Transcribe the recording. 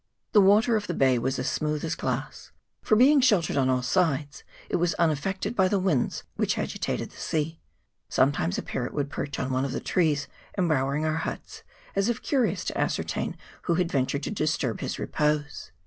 The water of the bay was as smooth as glass ; for, being sheltered on all sides, it was unaffected by the winds which agitated the sea. Sometimes a parrot would perch on one of the trees embowering our huts, as if curi ous to ascertain who had ventured to disturb his repose.